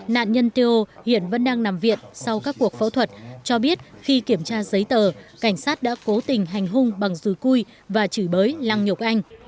nạn nhân tiêu hiện vẫn đang nằm viện sau các cuộc phẫu thuật cho biết khi kiểm tra giấy tờ cảnh sát đã cố tình hành hung bằng rùi cui và chửi bới lăng nhục anh